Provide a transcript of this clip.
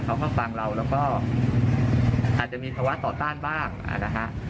เขาก็ฟังเราแล้วก็อาจจะมีภาวะต่อต้านบ้างนะฮะ